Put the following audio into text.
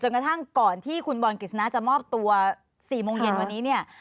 จนกระทั่งก่อนที่คุณบอลกิจนะจะมอบตัว๔โมงเย็นวันนี้